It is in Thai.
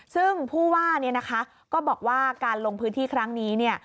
ซึ่งผู้ว่าเนี่ยนะคะก็บอกว่าการลงพื้นที่ครั้งนี้เนี่ย